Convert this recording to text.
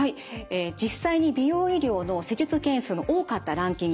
実際に美容医療の施術件数の多かったランキング